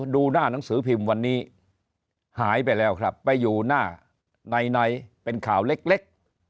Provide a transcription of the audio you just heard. ดูหน้าหนังสือพิมพ์วันนี้หายไปแล้วครับไปอยู่หน้าในเป็นข่าวเล็ก